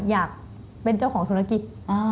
อยากเป็นเจ้าของธุรกิจ